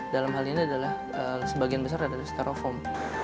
dalam hal ini adalah sebagian besar adalah sterofoam